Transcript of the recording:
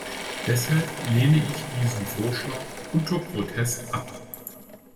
Deshalb lehne ich diesen Vorschlag unter Protest ab.